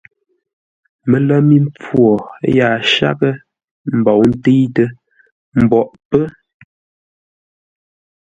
Mələ mi mpfu wo yaa shaghʼə́ ə́ mbou ntə̂itə́ mboʼ pə́.